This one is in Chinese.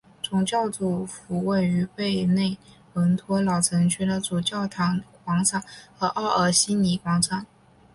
总主教府位于贝内文托老城区的主教座堂广场和奥尔西尼广场。